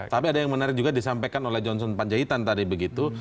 tapi ada yang menarik juga disampaikan oleh johnson panjaitan tadi begitu